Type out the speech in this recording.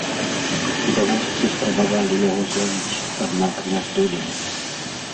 Відавочцы спрабавалі яго злавіць, аднак не здолелі.